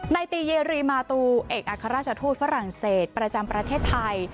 ในตีเยรีมาตูเอกอัครราชทูตฝรั่งเศสประจำประเทศไทย